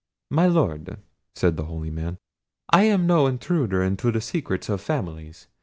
"My Lord," said the holy man, "I am no intruder into the secrets of families.